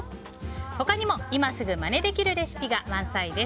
他にも今すぐまねできるレシピが満載です。